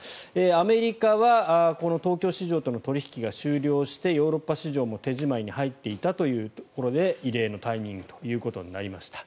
アメリカはこの東京市場との取引が終了してヨーロッパ市場も手じまいに入っていたというところで異例のタイミングということになりました。